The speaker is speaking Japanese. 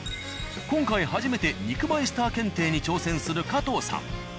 今回初めて肉マイスター検定に挑戦する加藤さん。